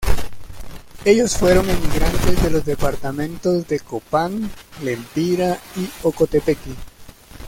Ellos fueron emigrantes de los departamentos de: Copán, Lempira y Ocotepeque.